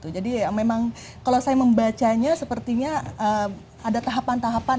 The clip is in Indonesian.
jadi memang kalau saya membacanya sepertinya ada tahapan tahapan